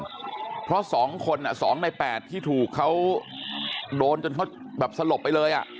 เพราะ๒คน๒ใน๘ที่ถูกเขาโดนจนเขาแบบสลบไปเลยอ่ะ